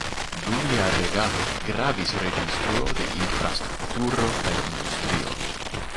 Dum lia regado gravis rekonstruo de infrastrukturo kaj industrio.